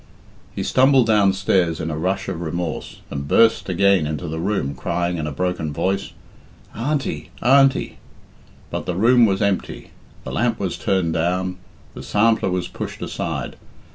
He stumbled downstairs in a rush of remorse, and burst again into the room crying in a broken voice, "Auntie! Auntie!" But the room was empty; the lamp was turned down; the sampler was pushed aside.